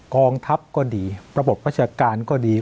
กองทัพก็ดีระบบราชการก็ดี